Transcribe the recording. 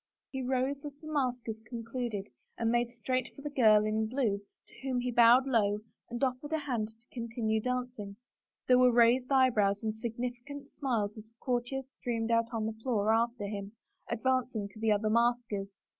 He rose as the maskers concluded and made straight for the girl in blue to whom he bowed low and oflFered his hand to continue dancing. There were raised eyebrows and sig nificant smiles as the courtiers streamed out on the floor after him, advancing to the other maskers.